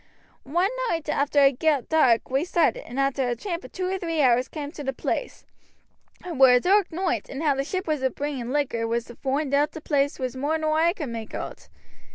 One night arter it got dark we started, and arter a tramp of two or three hours cam' to the place. It were a dark noight, and how the ship as was bringing the liquor was to foind oot the place was more nor oi could make oot.